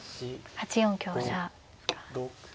８四香車。